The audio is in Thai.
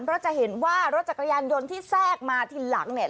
เพราะจะเห็นว่ารถจักรยานยนต์ที่แทรกมาทีหลังเนี่ย